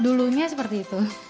dulunya seperti itu